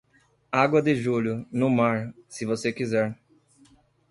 Água de julho, no mar, se você quiser.